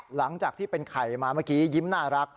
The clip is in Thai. หลังจากที่เป็นไข่มาเมื่อกี้ยิ้มน่ารัก